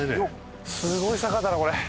すごい坂だなこれ。